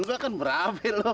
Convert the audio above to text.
gue kan berafil loh